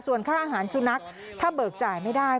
ส่วนค่าอาหารสุนัขถ้าเบิกจ่ายไม่ได้